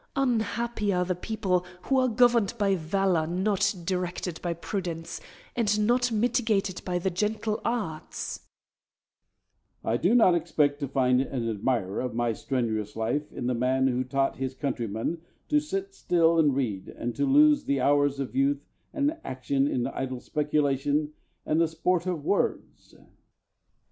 Unhappy are the people who are governed by valour not directed by prudence, and not mitigated by the gentle arts! Hercules. I do not expect to find an admirer of my strenuous life in the man who taught his countrymen to sit still and read, and to lose the hours of youth and action in idle speculation and the sport of words.